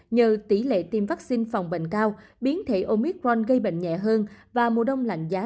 nhờ tỷ lệ tiêm vaccine phòng bệnh cao biến thể omicron gây bệnh nhẹ hơn và mùa đông lạnh giá